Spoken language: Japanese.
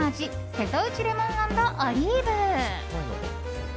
瀬戸内レモン＆オリーブ。